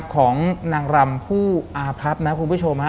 ของนางรำผู้อาพับนะคุณผู้ชมฮะ